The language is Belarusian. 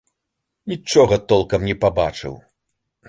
Нічога толкам не пабачыў.